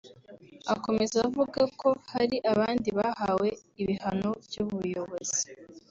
Akomeza avuga ko hari abandi bahawe ibihano by’ubuyobozi